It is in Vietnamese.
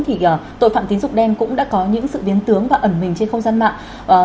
thì tội phạm tín dụng đen cũng đã có những sự biến tướng và ẩn mình trên không gian mạng